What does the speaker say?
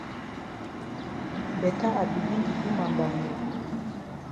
Beta I begin di do ma mbambe.